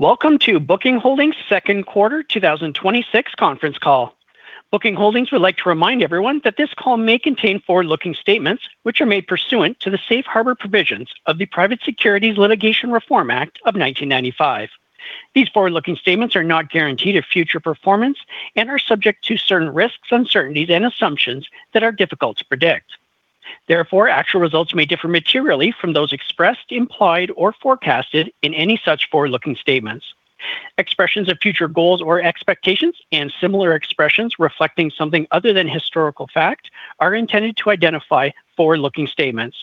Welcome to Booking Holdings' second quarter 2026 conference call. Booking Holdings would like to remind everyone that this call may contain forward-looking statements, which are made pursuant to the safe harbor provisions of the Private Securities Litigation Reform Act of 1995. These forward-looking statements are not guaranteed of future performance and are subject to certain risks, uncertainties, and assumptions that are difficult to predict. Therefore, actual results may differ materially from those expressed, implied, or forecasted in any such forward-looking statements. Expressions of future goals or expectations and similar expressions reflecting something other than historical fact are intended to identify forward-looking statements.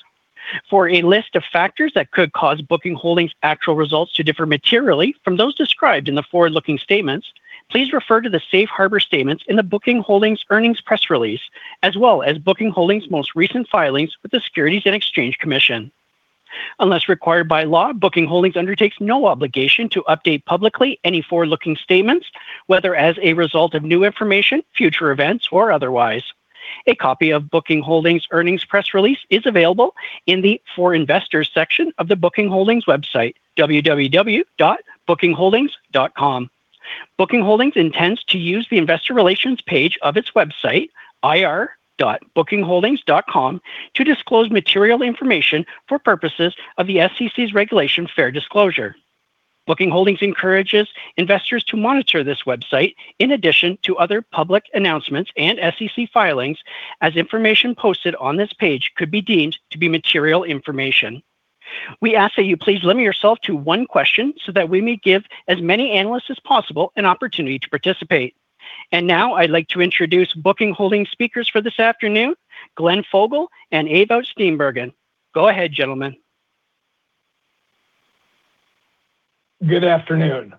For a list of factors that could cause Booking Holdings' actual results to differ materially from those described in the forward-looking statements, please refer to the safe harbor statements in the Booking Holdings earnings press release, as well as Booking Holdings' most recent filings with the Securities and Exchange Commission. Unless required by law, Booking Holdings undertakes no obligation to update publicly any forward-looking statements, whether as a result of new information, future events, or otherwise. A copy of Booking Holdings earnings press release is available in the For Investors section of the Booking Holdings website, www.bookingholdings.com. Booking Holdings intends to use the investor relations page of its website, ir.bookingholdings.com, to disclose material information for purposes of the SEC's Regulation Fair Disclosure. Booking Holdings encourages investors to monitor this website in addition to other public announcements and SEC filings as information posted on this page could be deemed to be material information. We ask that you please limit yourself to one question so that we may give as many analysts as possible an opportunity to participate. Now I'd like to introduce Booking Holdings' speakers for this afternoon, Glenn Fogel and Ewout Steenbergen. Go ahead, gentlemen. Good afternoon,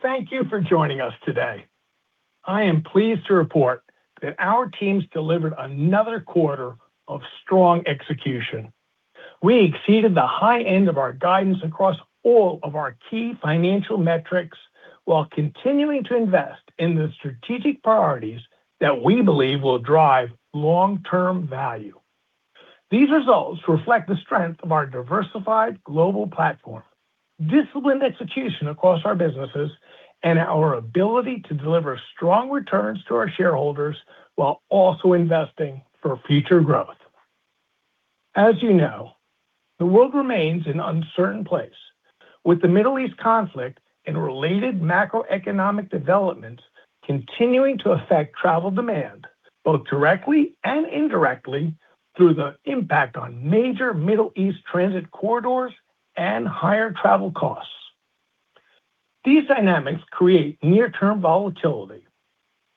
thank you for joining us today. I am pleased to report that our teams delivered another quarter of strong execution. We exceeded the high end of our guidance across all of our key financial metrics while continuing to invest in the strategic priorities that we believe will drive long-term value. These results reflect the strength of our diversified global platform, disciplined execution across our businesses, and our ability to deliver strong returns to our shareholders while also investing for future growth. As you know, the world remains an uncertain place. With the Middle East conflict and related macroeconomic developments continuing to affect travel demand, both directly and indirectly through the impact on major Middle East transit corridors and higher travel costs. These dynamics create near-term volatility,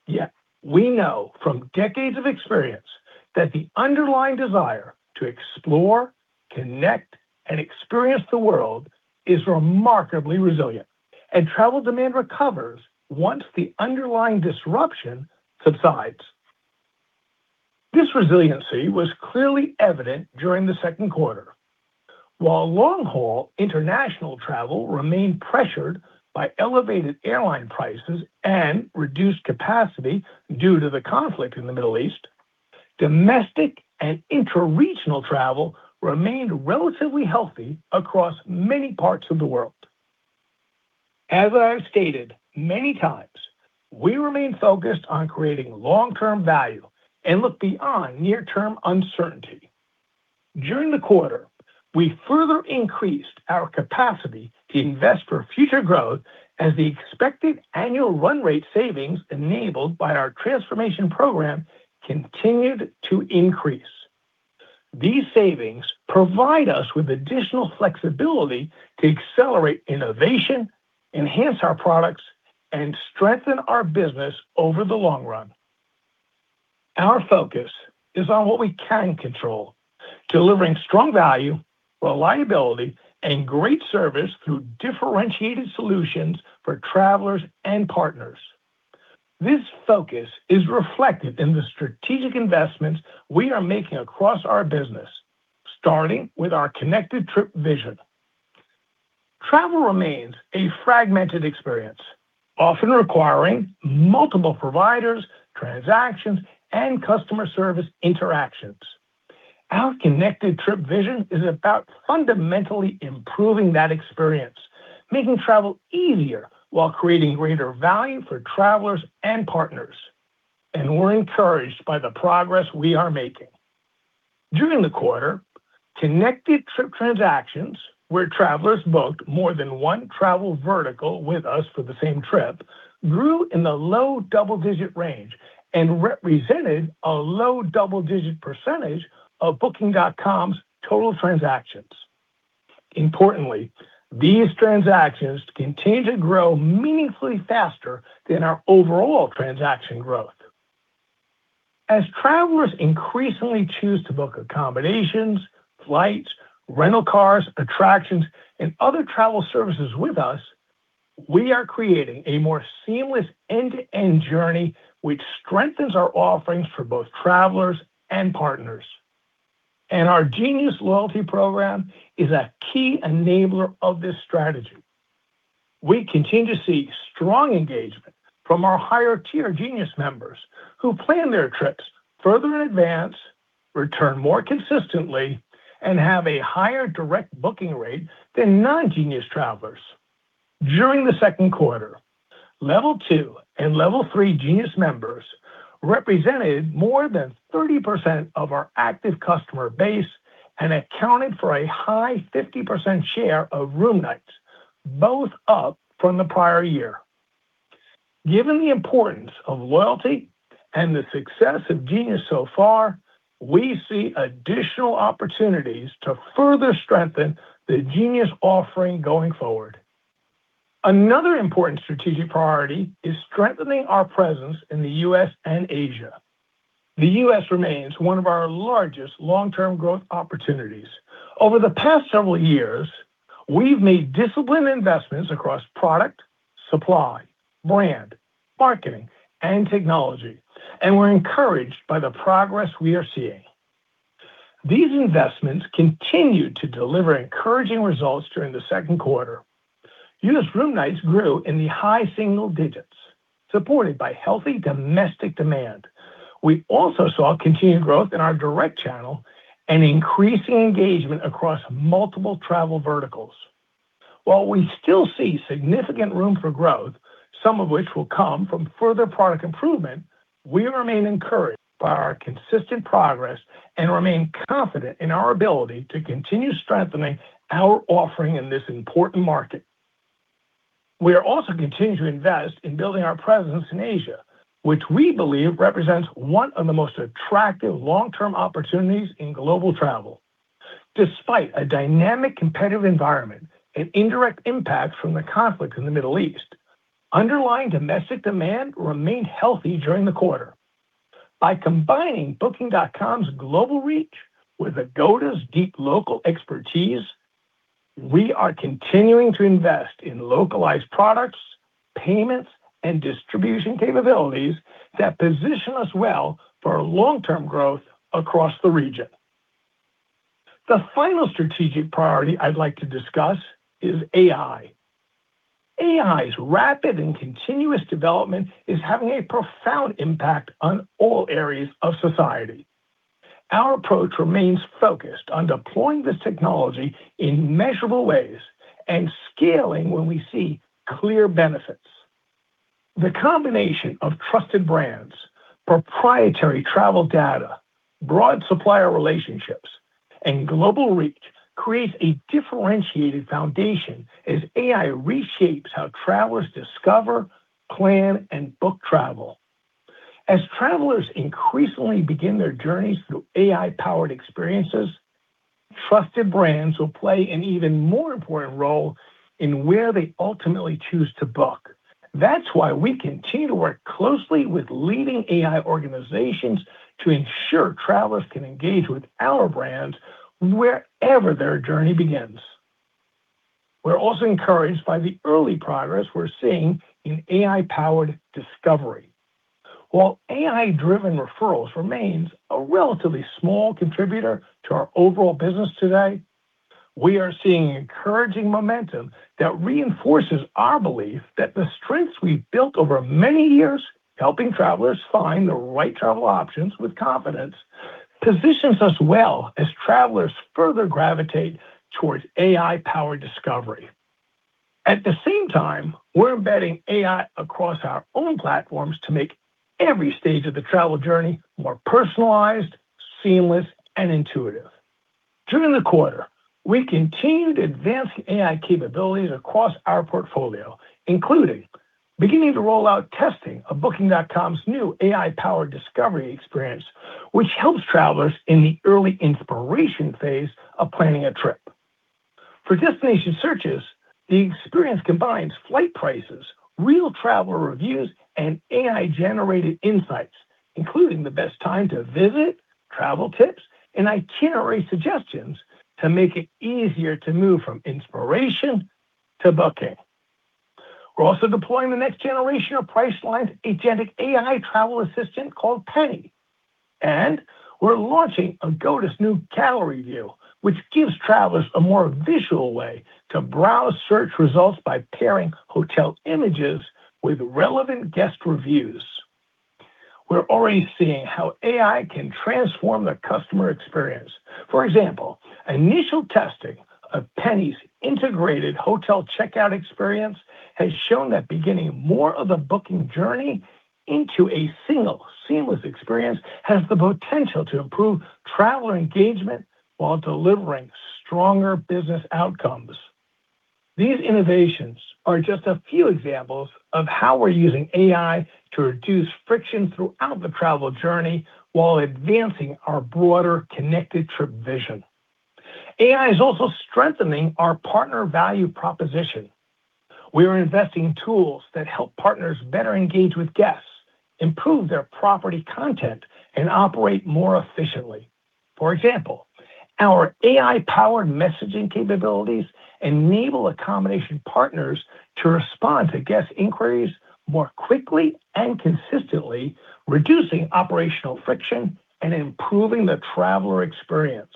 yet we know from decades of experience that the underlying desire to explore, connect, and experience the world is remarkably resilient, and travel demand recovers once the underlying disruption subsides. This resiliency was clearly evident during the second quarter. While long-haul international travel remained pressured by elevated airline prices and reduced capacity due to the conflict in the Middle East, domestic and intraregional travel remained relatively healthy across many parts of the world. As I have stated many times, we remain focused on creating long-term value and look beyond near-term uncertainty. During the quarter, we further increased our capacity to invest for future growth as the expected annual run rate savings enabled by our transformation program continued to increase. These savings provide us with additional flexibility to accelerate innovation, enhance our products, and strengthen our business over the long run. Our focus is on what we can control, delivering strong value, reliability, and great service through differentiated solutions for travelers and partners. This focus is reflected in the strategic investments we are making across our business, starting with our Connected Trip vision. Travel remains a fragmented experience, often requiring multiple providers, transactions, and customer service interactions. Our Connected Trip vision is about fundamentally improving that experience, making travel easier while creating greater value for travelers and partners. We're encouraged by the progress we are making. During the quarter, Connected Trip transactions where travelers booked more than one travel vertical with us for the same trip grew in the low double-digit range and represented a low double-digit percentage of Booking.com's total transactions. Importantly, these transactions continue to grow meaningfully faster than our overall transaction growth. As travelers increasingly choose to book accommodations, flights, rental cars, attractions, and other travel services with us, we are creating a more seamless end-to-end journey which strengthens our offerings for both travelers and partners. Our Genius loyalty program is a key enabler of this strategy. We continue to see strong engagement from our higher-tier Genius members, who plan their trips further in advance return more consistently, and have a higher direct booking rate than non-Genius travelers. During the second quarter, level 2 and level 3 Genius members represented more than 30% of our active customer base and accounted for a high 50% share of room nights, both up from the prior year. Given the importance of loyalty and the success of Genius so far, we see additional opportunities to further strengthen the Genius offering going forward. Another important strategic priority is strengthening our presence in the U.S. and Asia. The U.S. remains one of our largest long-term growth opportunities. Over the past several years, we've made disciplined investments across product, supply, brand, marketing, and technology, and we're encouraged by the progress we are seeing. These investments continued to deliver encouraging results during the second quarter. U.S. room nights grew in the high single digits, supported by healthy domestic demand. We also saw continued growth in our direct channel and increasing engagement across multiple travel verticals. While we still see significant room for growth, some of which will come from further product improvement, we remain encouraged by our consistent progress and remain confident in our ability to continue strengthening our offering in this important market. We are also continuing to invest in building our presence in Asia, which we believe represents one of the most attractive long-term opportunities in global travel. Despite a dynamic competitive environment and indirect impact from the conflict in the Middle East, underlying domestic demand remained healthy during the quarter. By combining Booking.com's global reach with Agoda's deep local expertise, we are continuing to invest in localized products, payments, and distribution capabilities that position us well for long-term growth across the region. The final strategic priority I'd like to discuss is AI. AI's rapid and continuous development is having a profound impact on all areas of society. Our approach remains focused on deploying this technology in measurable ways and scaling when we see clear benefits. The combination of trusted brands, proprietary travel data, broad supplier relationships, and global reach creates a differentiated foundation as AI reshapes how travelers discover, plan, and book travel. As travelers increasingly begin their journeys through AI-powered experiences, trusted brands will play an even more important role in where they ultimately choose to book. That's why we continue to work closely with leading AI organizations to ensure travelers can engage with our brands wherever their journey begins. We're also encouraged by the early progress we're seeing in AI-powered discovery. While AI-driven referrals remains a relatively small contributor to our overall business today, we are seeing encouraging momentum that reinforces our belief that the strengths we've built over many years, helping travelers find the right travel options with confidence, positions us well as travelers further gravitate towards AI-powered discovery. At the same time, we're embedding AI across our own platforms to make every stage of the travel journey more personalized, seamless, and intuitive. During the quarter, we continued advancing AI capabilities across our portfolio, including beginning to roll out testing of Booking.com's new AI-powered discovery experience, which helps travelers in the early inspiration phase of planning a trip. For destination searches, the experience combines flight prices, real traveler reviews, and AI-generated insights, including the best time to visit, travel tips, and itinerary suggestions to make it easier to move from inspiration to booking. We're also deploying the next generation of Priceline's agentic AI travel assistant called Penny, and we're launching Agoda's new gallery view, which gives travelers a more visual way to browse search results by pairing hotel images with relevant guest reviews. We're already seeing how AI can transform the customer experience. For example, initial testing of Penny's integrated hotel checkout experience has shown that beginning more of the booking journey into a single seamless experience has the potential to improve traveler engagement while delivering stronger business outcomes. These innovations are just a few examples of how we're using AI to reduce friction throughout the travel journey while advancing our broader Connected Trip vision. AI is also strengthening our partner value proposition. We are investing in tools that help partners better engage with guests, improve their property content, and operate more efficiently. For example, our AI-powered messaging capabilities enable accommodation partners to respond to guest inquiries more quickly and consistently, reducing operational friction and improving the traveler experience.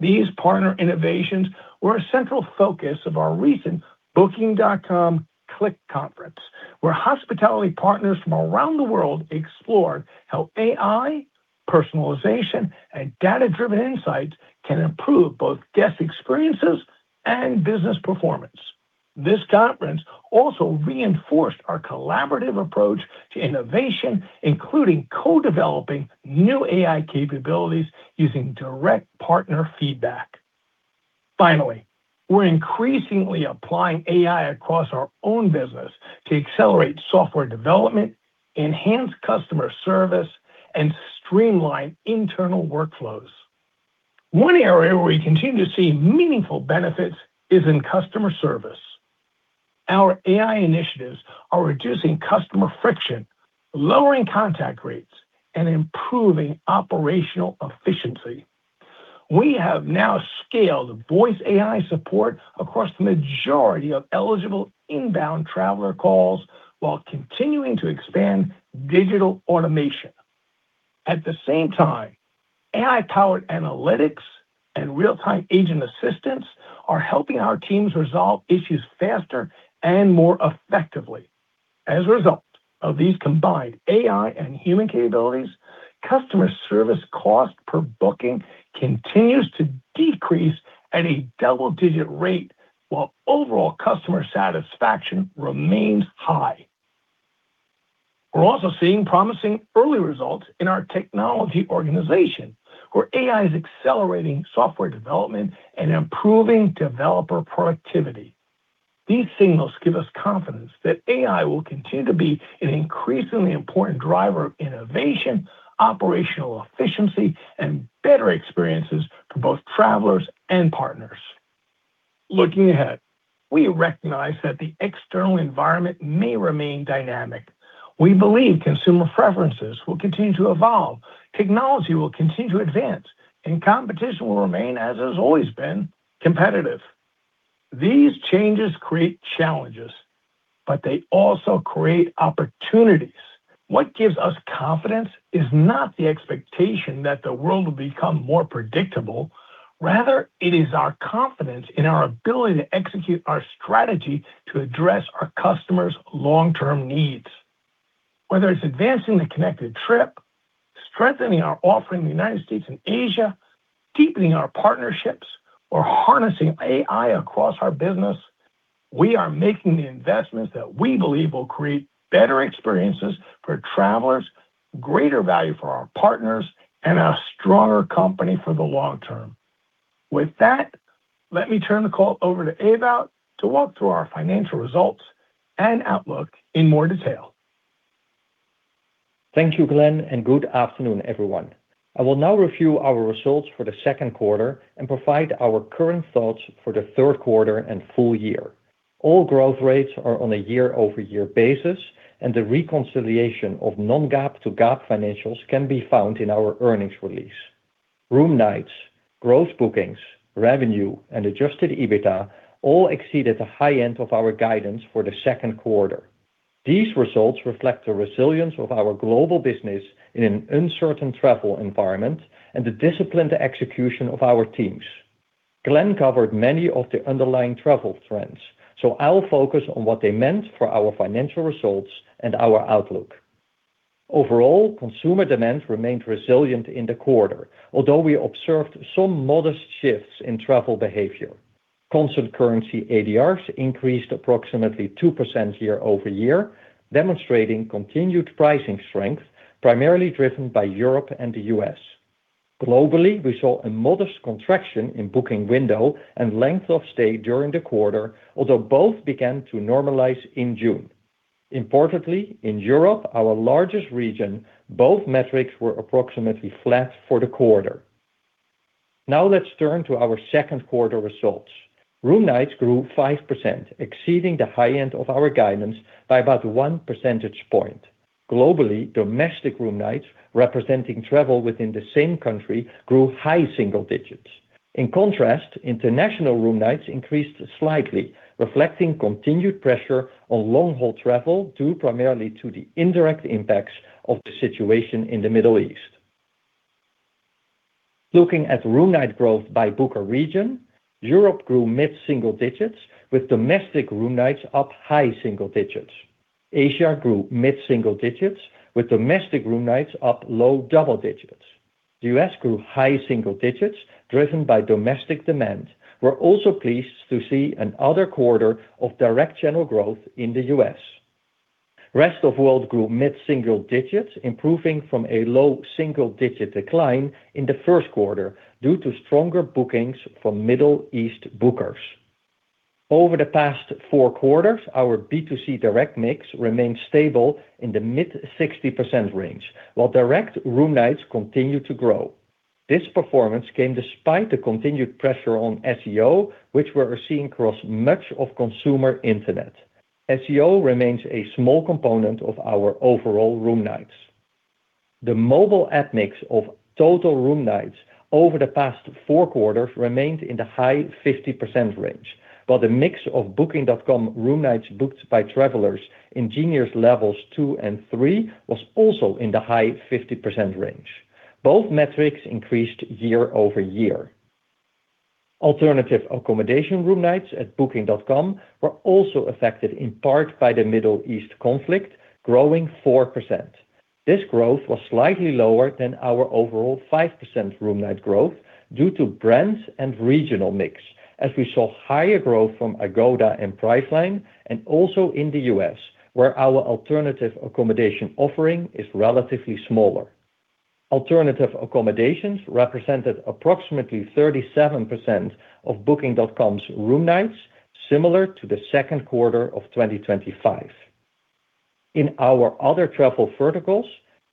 These partner innovations were a central focus of our recent Booking.com Click conference, where hospitality partners from around the world explored how AI, personalization, and data-driven insights can improve both guest experiences and business performance. This conference also reinforced our collaborative approach to innovation, including co-developing new AI capabilities using direct partner feedback. Finally, we're increasingly applying AI across our own business to accelerate software development, enhance customer service, and streamline internal workflows. One area where we continue to see meaningful benefits is in customer service. Our AI initiatives are reducing customer friction, lowering contact rates, and improving operational efficiency. We have now scaled voice AI support across the majority of eligible inbound traveler calls while continuing to expand digital automation. At the same time, AI-powered analytics and real-time agent assistants are helping our teams resolve issues faster and more effectively. As a result of these combined AI and human capabilities, customer service cost per booking continues to decrease at a double-digit rate while overall customer satisfaction remains high. We're also seeing promising early results in our technology organization, where AI is accelerating software development and improving developer productivity. These signals give us confidence that AI will continue to be an increasingly important driver of innovation, operational efficiency, and better experiences for both travelers and partners. Looking ahead, we recognize that the external environment may remain dynamic. We believe consumer preferences will continue to evolve, technology will continue to advance, and competition will remain, as it always has been, competitive. These changes create challenges, but they also create opportunities. What gives us confidence is not the expectation that the world will become more predictable. Rather, it is our confidence in our ability to execute our strategy to address our customers' long-term needs. Whether it's advancing the Connected Trip, strengthening our offering in the U.S. and Asia, deepening our partnerships, or harnessing AI across our business, we are making the investments that we believe will create better experiences for travelers, greater value for our partners, and a stronger company for the long term. With that, let me turn the call over to Ewout to walk through our financial results and outlook in more detail. Thank you, Glenn, good afternoon, everyone. I will now review our results for the second quarter and provide our current thoughts for the third quarter and full year. All growth rates are on a year-over-year basis, and the reconciliation of non-GAAP to GAAP financials can be found in our earnings release. Room nights, gross bookings, revenue, and adjusted EBITDA all exceeded the high end of our guidance for the second quarter. These results reflect the resilience of our global business in an uncertain travel environment and the disciplined execution of our teams. Glenn covered many of the underlying travel trends, so I'll focus on what they meant for our financial results and our outlook. Overall, consumer demand remained resilient in the quarter, although we observed some modest shifts in travel behavior. Constant currency ADRs increased approximately 2% year-over-year, demonstrating continued pricing strength, primarily driven by Europe and the U.S. Globally, we saw a modest contraction in booking window and length of stay during the quarter, although both began to normalize in June. Importantly, in Europe, our largest region, both metrics were approximately flat for the quarter. Let's turn to our second quarter results. Room nights grew 5%, exceeding the high end of our guidance by about one percentage point. Globally, domestic room nights, representing travel within the same country, grew high single digits. In contrast, international room nights increased slightly, reflecting continued pressure on long-haul travel, due primarily to the indirect impacts of the situation in the Middle East. Looking at room night growth by booker region, Europe grew mid-single digits, with domestic room nights up high single digits. Asia grew mid-single digits, with domestic room nights up low double digits. The U.S. grew high single digits, driven by domestic demand. We're also pleased to see another quarter of direct channel growth in the U.S. Rest of World grew mid-single digits, improving from a low single-digit decline in the first quarter due to stronger bookings from Middle East bookers. Over the past four quarters, our B2C direct mix remained stable in the mid-60% range, while direct room nights continued to grow. This performance came despite the continued pressure on SEO, which we are seeing across much of consumer internet. SEO remains a small component of our overall room nights. The mobile app mix of total room nights over the past four quarters remained in the high 50% range, while the mix of Booking.com room nights booked by travelers in Genius levels 2 and 3 was also in the high 50% range. Both metrics increased year-over-year. Alternative accommodation room nights at Booking.com were also affected in part by the Middle East conflict, growing 4%. This growth was slightly lower than our overall 5% room night growth due to brands and regional mix, as we saw higher growth from Agoda and Priceline, and also in the U.S., where our alternative accommodation offering is relatively smaller. Alternative accommodations represented approximately 37% of Booking.com's room nights, similar to the second quarter of 2025. In our other travel verticals,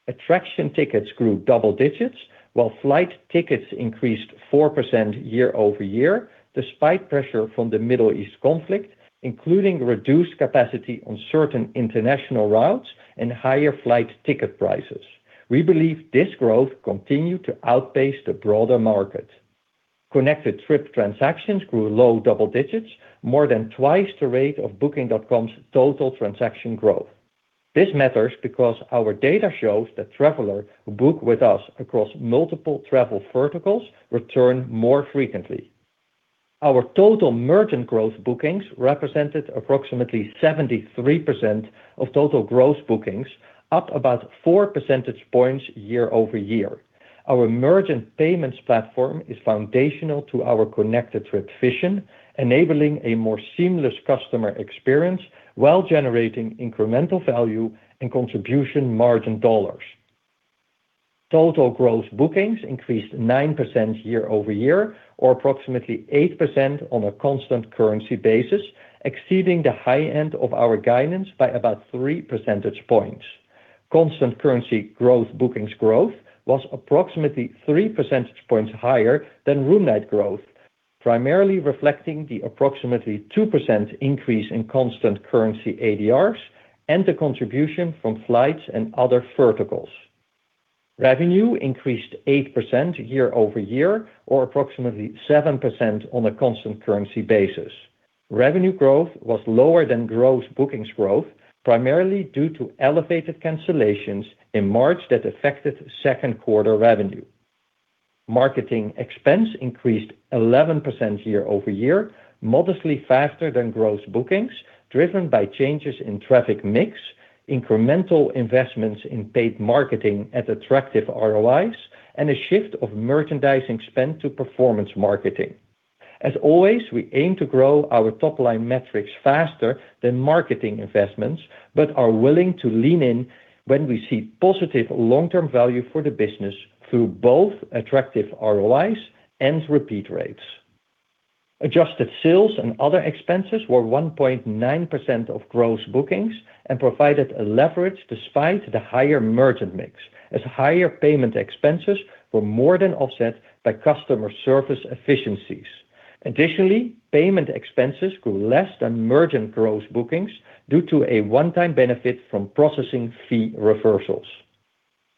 attraction tickets grew double digits, while flight tickets increased 4% year-over-year, despite pressure from the Middle East conflict, including reduced capacity on certain international routes and higher flight ticket prices. We believe this growth continued to outpace the broader market. Connected Trip transactions grew low double digits, more than twice the rate of Booking.com's total transaction growth. This matters because our data shows that travelers who book with us across multiple travel verticals return more frequently. Our total merchant growth bookings represented approximately 73% of total gross bookings, up about four percentage points year-over-year. Our merchant payments platform is foundational to our Connected Trip vision, enabling a more seamless customer experience while generating incremental value and contribution margin dollars. Total gross bookings increased 9% year-over-year or approximately 8% on a constant currency basis, exceeding the high end of our guidance by about three percentage points. Constant currency growth bookings growth was approximately three percentage points higher than room night growth, primarily reflecting the approximately 2% increase in constant currency ADRs and the contribution from flights and other verticals. Revenue increased 8% year-over-year, or approximately 7% on a constant currency basis. Revenue growth was lower than gross bookings growth, primarily due to elevated cancellations in March that affected second quarter revenue. Marketing expense increased 11% year-over-year, modestly faster than gross bookings, driven by changes in traffic mix, incremental investments in paid marketing at attractive ROIs, and a shift of merchandising spend to performance marketing. As always, we aim to grow our top-line metrics faster than marketing investments, but are willing to lean in when we see positive long-term value for the business through both attractive ROIs and repeat rates. Adjusted sales and other expenses were 1.9% of gross bookings and provided a leverage despite the higher merchant mix, as higher payment expenses were more than offset by customer service efficiencies. Additionally, payment expenses grew less than merchant gross bookings due to a one-time benefit from processing fee reversals.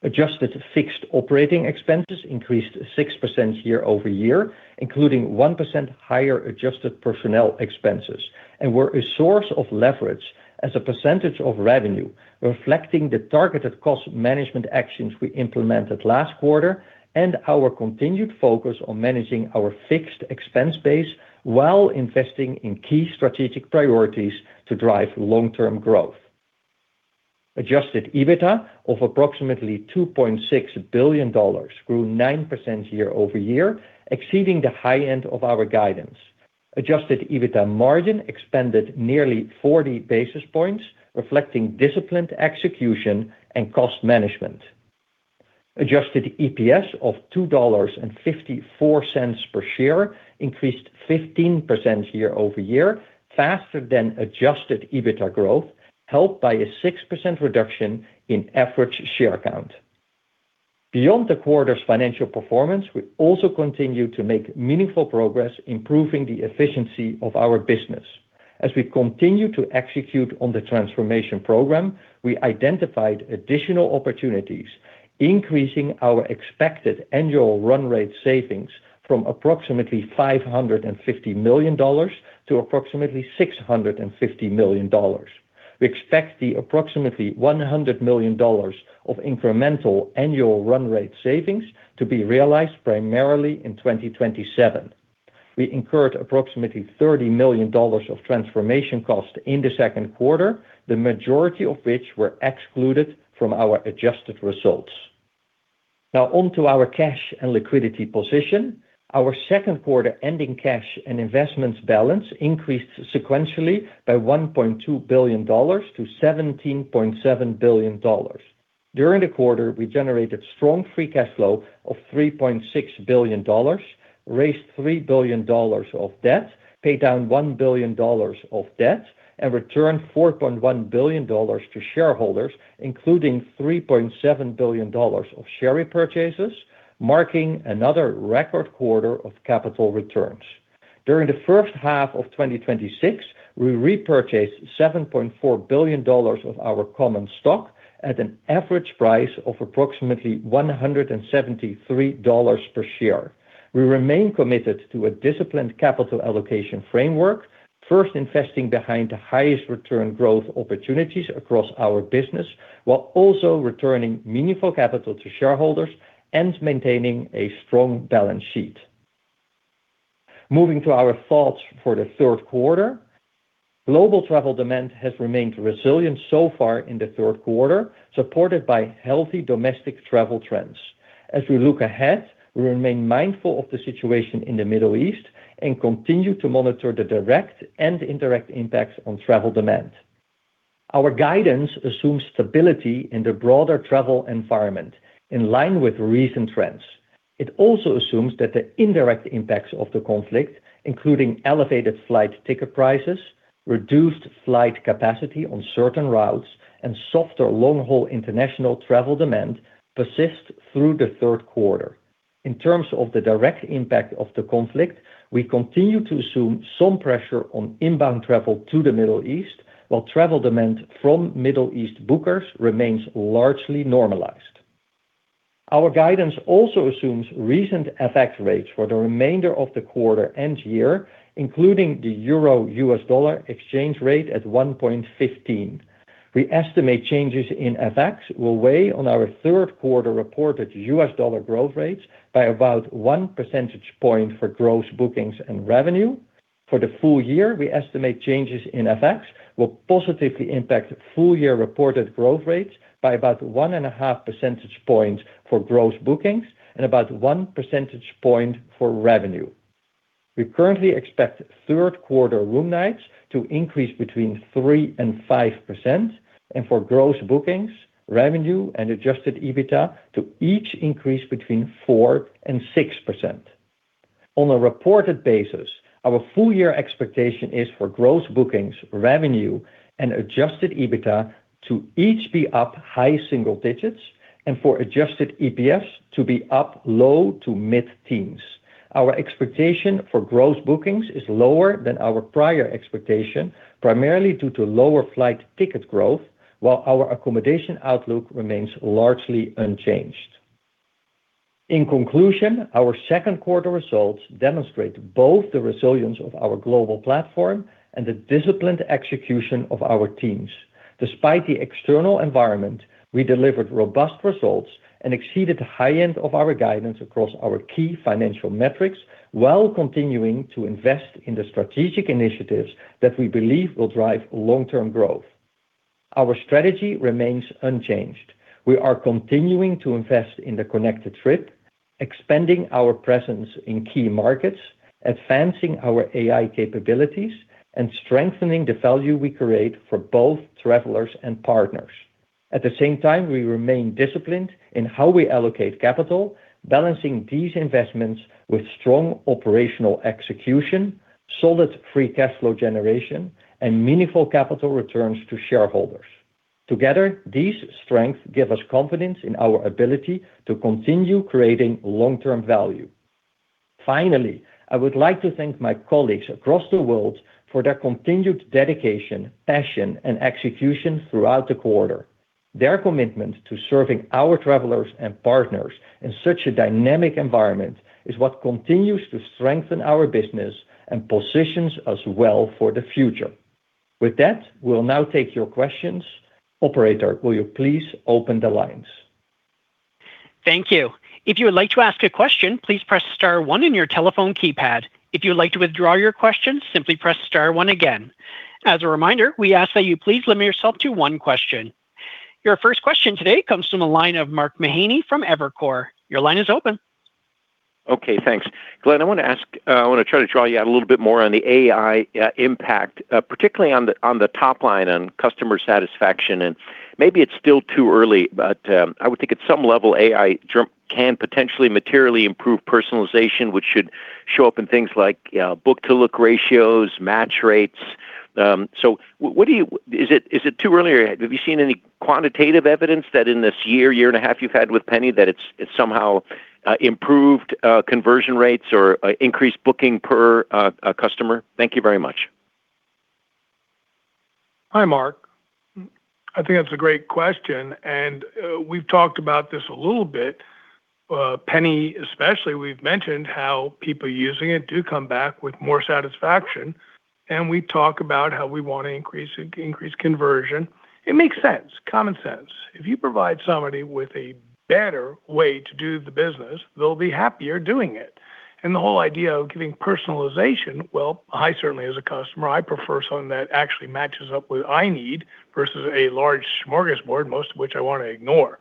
Adjusted fixed operating expenses increased 6% year-over-year, including 1% higher adjusted personnel expenses, and were a source of leverage as a percentage of revenue, reflecting the targeted cost management actions we implemented last quarter and our continued focus on managing our fixed expense base while investing in key strategic priorities to drive long-term growth. Adjusted EBITDA of approximately $2.6 billion grew 9% year-over-year, exceeding the high end of our guidance. Adjusted EBITDA margin expanded nearly 40 basis points, reflecting disciplined execution and cost management. Adjusted EPS of $2.54 per share increased 15% year-over-year, faster than adjusted EBITDA growth, helped by a 6% reduction in average share count. Beyond the quarter's financial performance, we also continued to make meaningful progress improving the efficiency of our business. As we continue to execute on the transformation program, we identified additional opportunities, increasing our expected annual run rate savings from approximately $550 million to approximately $650 million. We expect the approximately $100 million of incremental annual run rate savings to be realized primarily in 2027. We incurred approximately $30 million of transformation cost in the second quarter, the majority of which were excluded from our adjusted results. Now on to our cash and liquidity position. Our second quarter ending cash and investments balance increased sequentially by $1.2 billion to $17.7 billion. During the quarter, we generated strong free cash flow of $3.6 billion, raised $3 billion of debt, paid down $1 billion of debt, and returned $4.1 billion to shareholders, including $3.7 billion of share repurchases, marking another record quarter of capital returns. During the first half of 2026, we repurchased $7.4 billion of our common stock at an average price of approximately $173 per share. We remain committed to a disciplined capital allocation framework, first investing behind the highest return growth opportunities across our business, while also returning meaningful capital to shareholders and maintaining a strong balance sheet. Moving to our thoughts for the third quarter. Global travel demand has remained resilient so far in the third quarter, supported by healthy domestic travel trends. As we look ahead, we remain mindful of the situation in the Middle East and continue to monitor the direct and indirect impacts on travel demand. Our guidance assumes stability in the broader travel environment in line with recent trends. It also assumes that the indirect impacts of the conflict, including elevated flight ticket prices, reduced flight capacity on certain routes, and softer long-haul international travel demand persist through the third quarter. In terms of the direct impact of the conflict, we continue to assume some pressure on inbound travel to the Middle East while travel demand from Middle East bookers remains largely normalized. Our guidance also assumes recent FX rates for the remainder of the quarter and year, including the Euro-U.S. dollar exchange rate at 1.15. We estimate changes in FX will weigh on our third quarter reported U.S. dollar growth rates by about one percentage point for gross bookings and revenue. For the full year, we estimate changes in FX will positively impact full-year reported growth rates by about one and a half percentage points for gross bookings and about one percentage point for revenue. We currently expect third quarter room nights to increase between 3% and 5% and for gross bookings, revenue, and adjusted EBITDA to each increase between 4% and 6%. On a reported basis, our full year expectation is for gross bookings, revenue, and adjusted EBITDA to each be up high single digits and for adjusted EPS to be up low to mid-teens. Our expectation for gross bookings is lower than our prior expectation, primarily due to lower flight ticket growth, while our accommodation outlook remains largely unchanged. In conclusion, our second quarter results demonstrate both the resilience of our global platform and the disciplined execution of our teams. Despite the external environment, we delivered robust results and exceeded the high end of our guidance across our key financial metrics while continuing to invest in the strategic initiatives that we believe will drive long-term growth. Our strategy remains unchanged. We are continuing to invest in the Connected Trip, expanding our presence in key markets, advancing our AI capabilities, and strengthening the value we create for both travelers and partners. At the same time, we remain disciplined in how we allocate capital, balancing these investments with strong operational execution, solid free cash flow generation, and meaningful capital returns to shareholders. Together, these strengths give us confidence in our ability to continue creating long-term value. Finally, I would like to thank my colleagues across the world for their continued dedication, passion, and execution throughout the quarter. Their commitment to serving our travelers and partners in such a dynamic environment is what continues to strengthen our business and positions us well for the future. With that, we'll now take your questions. Operator, will you please open the lines? Thank you. If you would like to ask a question, please press star one on your telephone keypad. If you'd like to withdraw your question, simply press star one again. As a reminder, we ask that you please limit yourself to one question. Your first question today comes from the line of Mark Mahaney from Evercore. Your line is open. Okay, thanks. Glenn Fogel, I want to try to draw you out a little bit more on the AI impact, particularly on the top line on customer satisfaction. Maybe it's still too early, but I would think at some level, AI can potentially materially improve personalization, which should show up in things like book-to-look ratios, match rates. Is it too early, or have you seen any quantitative evidence that in this year and a half you've had with Penny, that it's somehow improved conversion rates or increased booking per customer? Thank you very much. Hi, Mark Mahaney. I think that's a great question, and we've talked about this a little bit. Penny, especially, we've mentioned how people using it do come back with more satisfaction, and we talk about how we want to increase conversion. It makes sense, common sense. If you provide somebody with a better way to do the business, they'll be happier doing it. The whole idea of giving personalization, well, I certainly as a customer, I prefer something that actually matches up with what I need versus a large smorgasbord, most of which I want to ignore.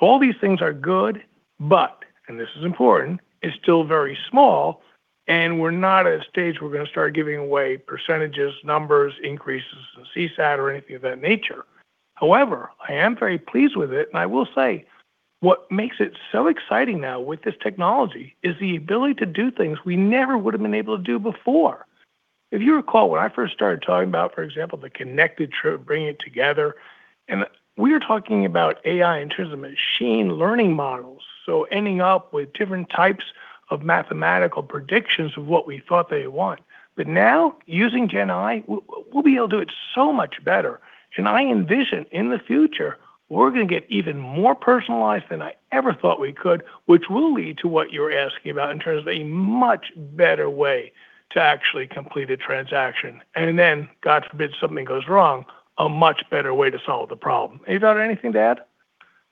All these things are good, but, and this is important, it's still very small, and we're not at a stage we're going to start giving away percentages, numbers, increases in CSAT, or anything of that nature. However, I am very pleased with it, and I will say what makes it so exciting now with this technology is the ability to do things we never would've been able to do before. If you recall, when I first started talking about, for example, the Connected Trip, bringing it together, and we were talking about AI in terms of machine learning models, so ending up with different types of mathematical predictions of what we thought they want. Now using Gen AI, we'll be able to do it so much better. I envision in the future we're going to get even more personalized than I ever thought we could, which will lead to what you're asking about in terms of a much better way to actually complete a transaction. Then, God forbid something goes wrong, a much better way to solve the problem. Anything to add?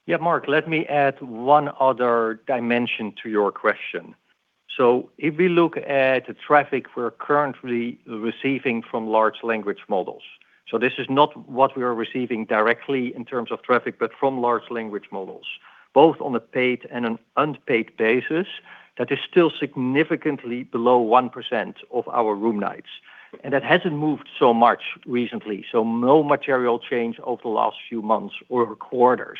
Yeah, Mark Mahaney, let me add one other dimension to your question. If we look at the traffic we're currently receiving from large language models, so this is not what we are receiving directly in terms of traffic, but from large language models, both on a paid and an unpaid basis, that is still significantly below 1% of our room nights. That hasn't moved so much recently, so no material change over the last few months or quarters.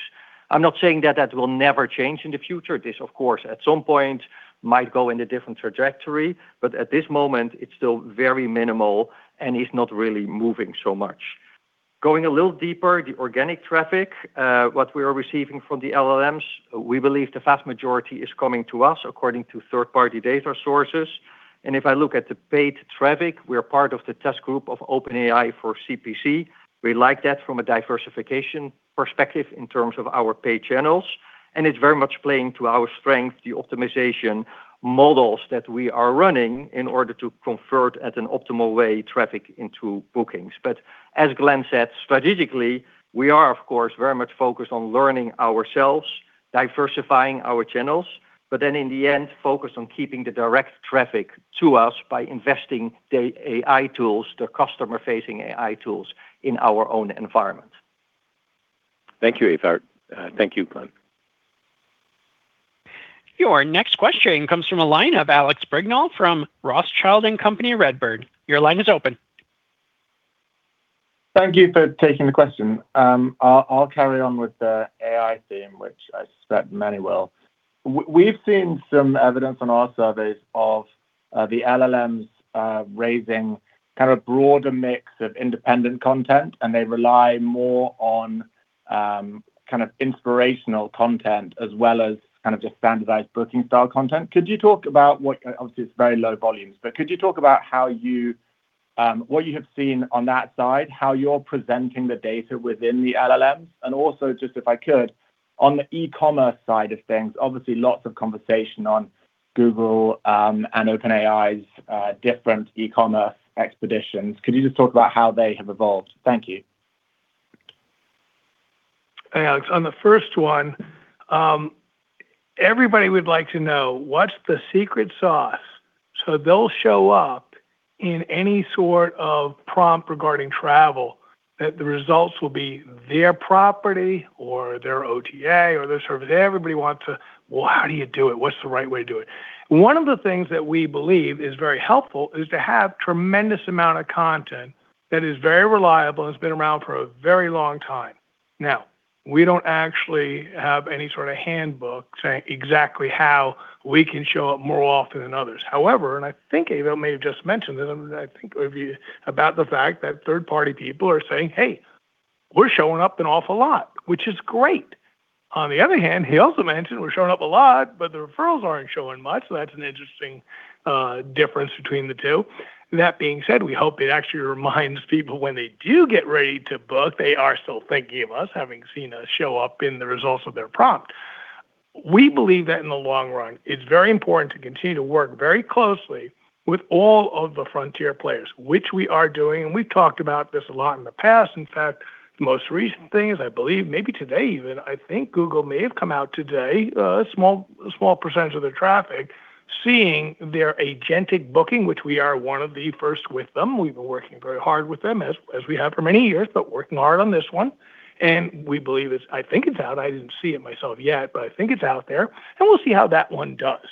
I'm not saying that will never change in the future. This, of course, at some point, might go in a different trajectory. At this moment, it's still very minimal and is not really moving so much. Going a little deeper, the organic traffic, what we are receiving from the LLMs, we believe the vast majority is coming to us according to third-party data sources. If I look at the paid traffic, we are part of the test group of OpenAI for CPC. We like that from a diversification perspective in terms of our paid channels, and it's very much playing to our strength, the optimization models that we are running in order to convert, at an optimal way, traffic into bookings. As Glenn said, strategically, we are, of course, very much focused on learning ourselves, diversifying our channels, then in the end, focused on keeping the direct traffic to us by investing the AI tools, the customer-facing AI tools in our own environment. Thank you, Evert. Thank you, Glenn. Your next question comes from a line of Alex Brignall from Rothschild & Co Redburn. Your line is open. Thank you for taking the question. I'll carry on with the AI theme, which I suspect many will. We've seen some evidence in our surveys of the LLMs, raising kind of a broader mix of independent content, and they rely more on inspirational content as well as just standardized booking style content. Could you talk about, obviously, it's very low volumes, but could you talk about what you have seen on that side, how you're presenting the data within the LLMs? Also, just if I could, on the e-commerce side of things, obviously lots of conversation on Google, and OpenAI's different e-commerce expeditions. Could you just talk about how they have evolved? Thank you. Hey, Alex. On the first one, everybody would like to know what's the secret sauce so they'll show up in any sort of prompt regarding travel, that the results will be their property or their OTA or their service. Well, how do you do it? What's the right way to do it? One of the things that we believe is very helpful is to have tremendous amount of content that is very reliable and has been around for a very long time. Now, we don't actually have any sort of handbook saying exactly how we can show up more often than others. However, I think Ewuot may have just mentioned it, I think, about the fact that third-party people are saying, "Hey, we're showing up an awful lot," which is great. On the other hand, he also mentioned we're showing up a lot, but the referrals aren't showing much. That's an interesting difference between the two. That being said, we hope it actually reminds people when they do get ready to book, they are still thinking of us, having seen us show up in the results of their prompt. We believe that in the long run, it's very important to continue to work very closely with all of the frontier players, which we are doing. We've talked about this a lot in the past. In fact, the most recent thing is, I believe maybe today even, I think Google may have come out today, a small percentage of their traffic, seeing their agentic booking, which we are one of the first with them. We've been working very hard with them, as we have for many years, but working hard on this one. I think it's out. I didn't see it myself yet, but I think it's out there, and we'll see how that one does.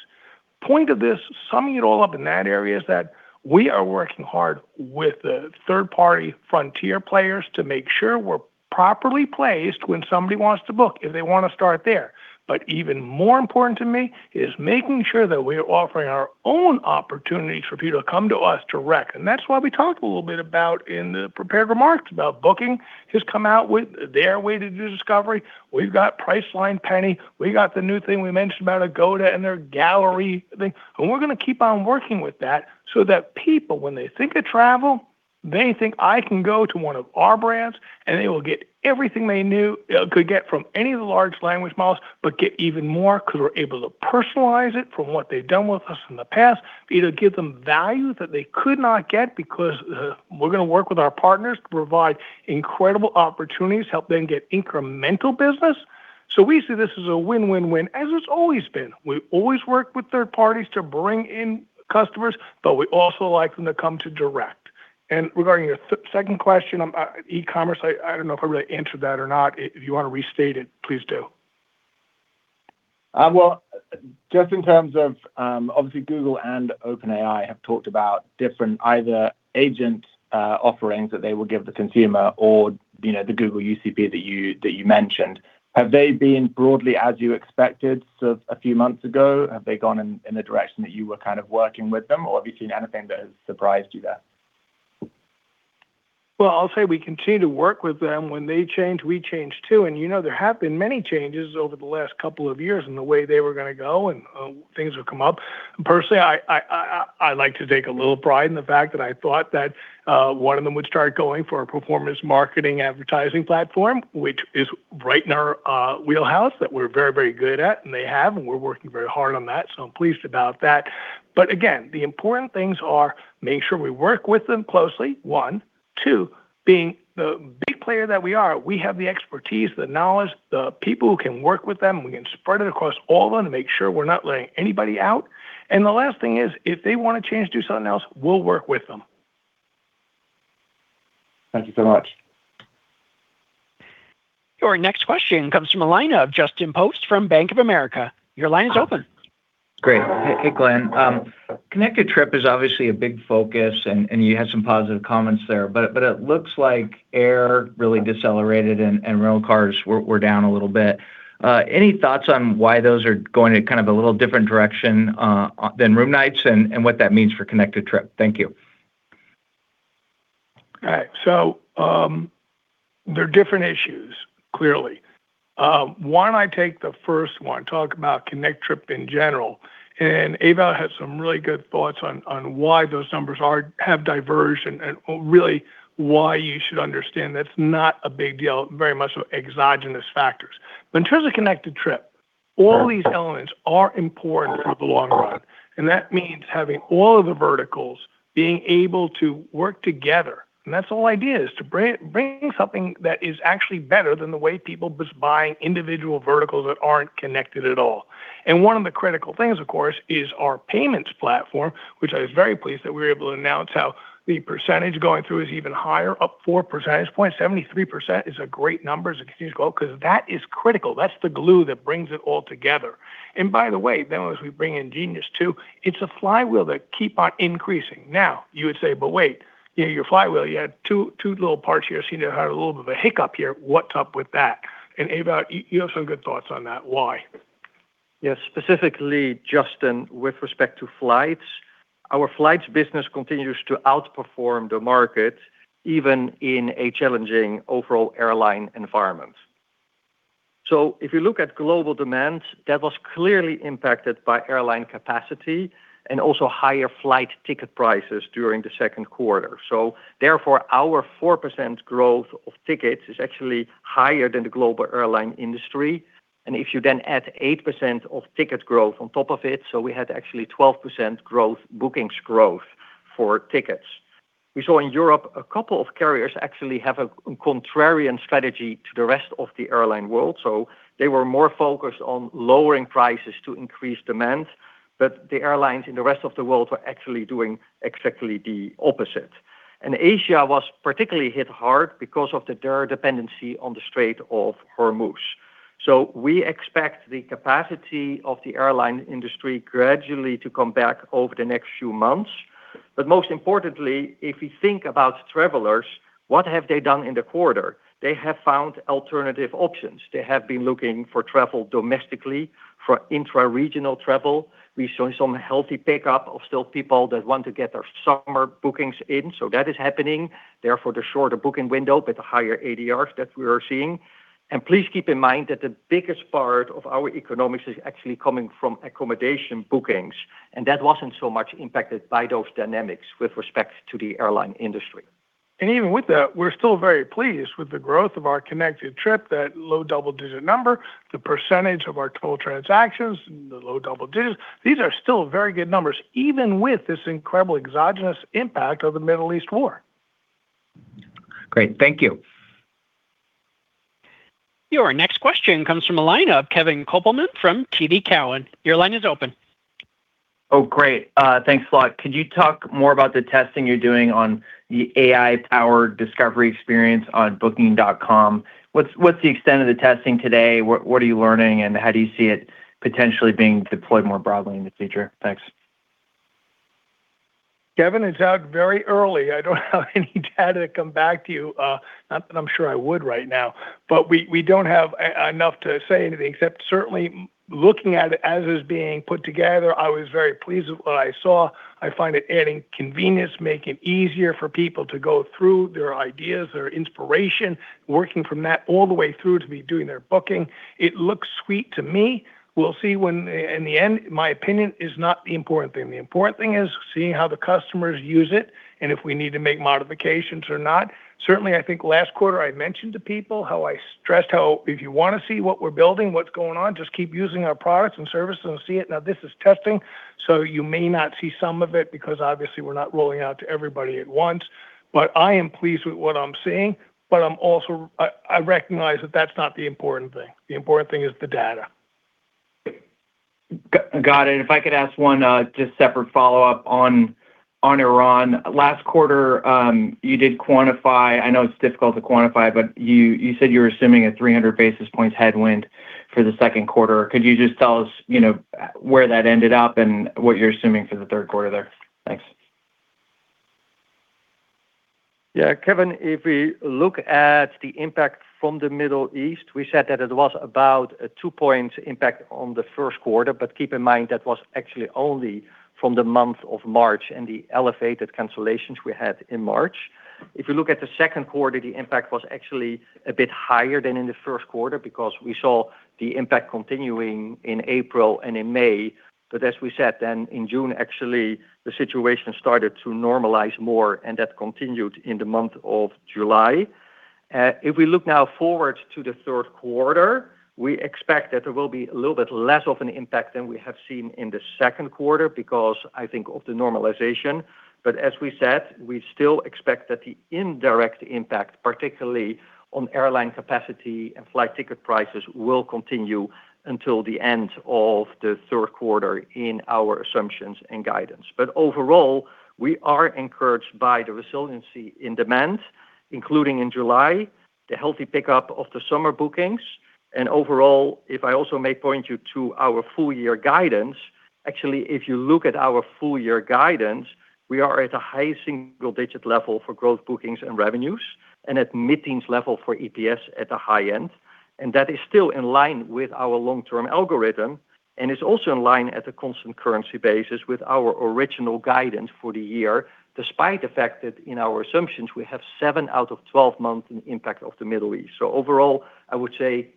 Point of this, summing it all up in that area is that we are working hard with the third-party frontier players to make sure we're properly placed when somebody wants to book if they want to start there. Even more important to me is making sure that we're offering our own opportunities for people to come to us direct. That's why we talked a little bit about in the prepared remarks about Booking.com just come out with their way to do discovery. We've got Priceline Penny. We got the new thing we mentioned about Agoda and their gallery thing. We're going to keep on working with that so that people, when they think of travel, they think, "I can go to one of our brands," and they will get everything they could get from any of the large language models, but get even more because we're able to personalize it from what they've done with us in the past, either give them value that they could not get because we're going to work with our partners to provide incredible opportunities, help them get incremental business. We see this as a win-win-win, as it's always been. We always work with third parties to bring in customers, but we also like them to come to direct. Regarding your second question on e-commerce, I don't know if I really answered that or not. If you want to restate it, please do. Well, just in terms of, obviously Google and OpenAI have talked about different either agent offerings that they will give the consumer or the Google UCP that you mentioned. Have they been broadly as you expected sort of a few months ago? Have they gone in a direction that you were kind of working with them, or have you seen anything that has surprised you there? Well, I'll say we continue to work with them. When they change, we change too. There have been many changes over the last couple of years in the way they were going to go and things would come up. Personally, I like to take a little pride in the fact that I thought that one of them would start going for a performance marketing advertising platform, which is right in our wheelhouse, that we're very, very good at, and they have, and we're working very hard on that, so I'm pleased about that. Again, the important things are make sure we work with them closely, one. Two, being the big player that we are, we have the expertise, the knowledge, the people who can work with them. We can spread it across all of them to make sure we're not letting anybody out. The last thing is, if they want a chance to do something else, we'll work with them. Thank you so much. Your next question comes from a line of Justin Post from Bank of America. Your line is open. Great. Hey, Glenn. Connected Trip is obviously a big focus, and you had some positive comments there. It looks like air really decelerated and rental cars were down a little bit. Any thoughts on why those are going in a little different direction than room nights and what that means for Connected Trip? Thank you. All right. They're different issues, clearly. Why don't I take the first one, talk about Connected Trip in general. Ewout had some really good thoughts on why those numbers have diversion and really why you should understand that's not a big deal, very much exogenous factors. In terms of Connected Trip, all these elements are important over the long run, and that means having all of the verticals being able to work together. That's the whole idea, is to bring something that is actually better than the way people was buying individual verticals that aren't connected at all. One of the critical things, of course, is our payments platform, which I was very pleased that we were able to announce how the percentage going through is even higher, up four percentage points. 73% is a great number, is a huge goal, because that is critical. That's the glue that brings it all together. By the way, then as we bring in Genius too, it's a flywheel that keep on increasing. You would say, "Wait, your flywheel, you had two little parts here seem to have had a little bit of a hiccup here. What's up with that?" Ewout, you have some good thoughts on that. Why? Yes. Specifically, Justin Post, with respect to flights, our flights business continues to outperform the market, even in a challenging overall airline environment. If you look at global demand, that was clearly impacted by airline capacity and also higher flight ticket prices during the second quarter. Therefore, our 4% growth of tickets is actually higher than the global airline industry. If you then add 8% of ticket growth on top of it, we had actually 12% bookings growth for tickets. We saw in Europe, a couple of carriers actually have a contrarian strategy to the rest of the airline world. They were more focused on lowering prices to increase demand, but the airlines in the rest of the world were actually doing exactly the opposite. Asia was particularly hit hard because of their dependency on the Strait of Hormuz. We expect the capacity of the airline industry gradually to come back over the next few months. Most importantly, if we think about travelers, what have they done in the quarter? They have found alternative options. They have been looking for travel domestically, for intra-regional travel. We saw some healthy pickup of still people that want to get their summer bookings in. That is happening. Therefore, the shorter booking window, but the higher ADRs that we are seeing. Please keep in mind that the biggest part of our economics is actually coming from accommodation bookings, and that wasn't so much impacted by those dynamics with respect to the airline industry. Even with that, we're still very pleased with the growth of our Connected Trip, that low double-digit number, the percentage of our total transactions in the low double digits. These are still very good numbers, even with this incredible exogenous impact of the Middle East war. Great. Thank you. Your next question comes from a line of Kevin Kopelman from TD Cowen. Your line is open. Great. Thanks a lot. Could you talk more about the testing you're doing on the AI-powered discovery experience on booking.com? What's the extent of the testing today? What are you learning, and how do you see it potentially being deployed more broadly in the future? Thanks. Kevin, it's out very early. I don't have any data to come back to you. Not that I'm sure I would right now, but we don't have enough to say anything except certainly looking at it as it was being put together, I was very pleased with what I saw. I find it adding convenience, making it easier for people to go through their ideas, their inspiration, working from that all the way through to be doing their booking. It looks sweet to me. We'll see when, in the end, my opinion is not the important thing. The important thing is seeing how the customers use it, and if we need to make modifications or not. Certainly, I think last quarter I mentioned to people how I stressed how if you want to see what we're building, what's going on, just keep using our products and services and see it. This is testing, so you may not see some of it because obviously we're not rolling out to everybody at once. I am pleased with what I'm seeing. I recognize that that's not the important thing. The important thing is the data. Got it. If I could ask one, just separate follow-up on Iran. Last quarter, you did quantify, I know it's difficult to quantify, but you said you were assuming a 300 basis points headwind for the second quarter. Could you just tell us where that ended up and what you're assuming for the third quarter there? Thanks. Yeah, Kevin, if we look at the impact from the Middle East, we said that it was about a two-point impact on the first quarter, but keep in mind, that was actually only from the month of March and the elevated cancellations we had in March. If you look at the second quarter, the impact was actually a bit higher than in the first quarter because we saw the impact continuing in April and in May. As we said, then in June, actually, the situation started to normalize more, and that continued in the month of July. If we look now forward to the third quarter, we expect that there will be a little bit less of an impact than we have seen in the second quarter because I think of the normalization. As we said, we still expect that the indirect impact, particularly on airline capacity and flight ticket prices, will continue until the end of the third quarter in our assumptions and guidance. Overall, we are encouraged by the resiliency in demand, including in July, the healthy pickup of the summer bookings. Overall, if I also may point you to our full-year guidance, actually, if you look at our full-year guidance, we are at a high single-digit level for growth bookings and revenues and at mid-teens level for EPS at the high end. That is still in line with our long-term algorithm and is also in line at a constant currency basis with our original guidance for the year, despite the fact that in our assumptions we have seven out of 12-month impact of the Middle East. Overall, I would say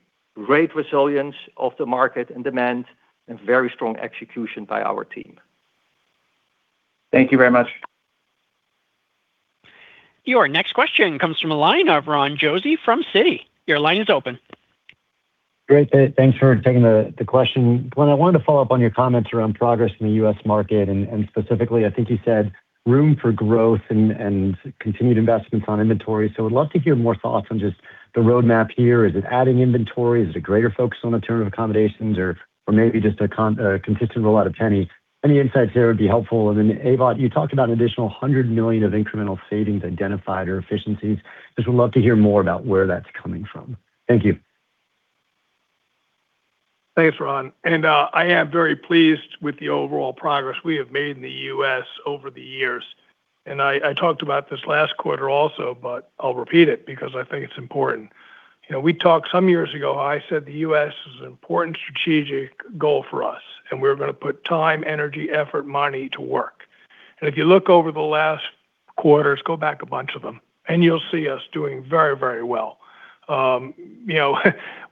great resilience of the market and demand and very strong execution by our team. Thank you very much. Your next question comes from the line of Ron Josey from Citi. Your line is open. Great. Thanks for taking the question. Glenn, I wanted to follow up on your comments around progress in the U.S. market, specifically, I think you said room for growth and continued investments on inventory. I would love to hear more thoughts on just the roadmap here. Is it adding inventory? Is it a greater focus on alternative accommodations or maybe just a consistent rollout of Penny? Any insights there would be helpful. Ewout, you talked about an additional $100 million of incremental savings identified or efficiencies. Just would love to hear more about where that's coming from. Thank you. Thanks, Ron. I am very pleased with the overall progress we have made in the U.S. over the years. I talked about this last quarter also, but I'll repeat it because I think it's important. We talked some years ago, I said the U.S. is an important strategic goal for us, and we're going to put time, energy, effort, money to work. If you look over the last quarters, go back a bunch of them, and you'll see us doing very well.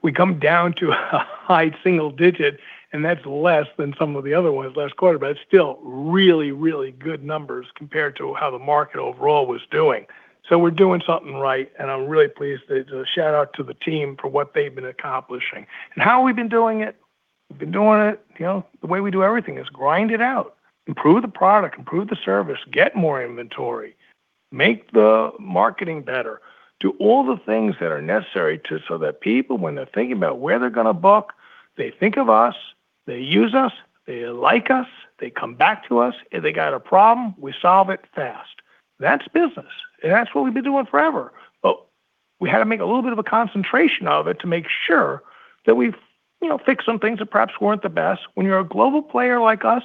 We come down to a high single digit, and that's less than some of the other ones last quarter, but it's still really good numbers compared to how the market overall was doing. We're doing something right, and I'm really pleased. A shout-out to the team for what they've been accomplishing. How we've been doing it, we've been doing it the way we do everything, is grind it out. Improve the product, improve the service, get more inventory, make the marketing better. Do all the things that are necessary so that people, when they're thinking about where they're going to book, they think of us, they use us, they like us, they come back to us. If they got a problem, we solve it fast. That's business. That's what we've been doing forever. We had to make a little bit of a concentration of it to make sure that we've fixed some things that perhaps weren't the best. When you're a global player like us,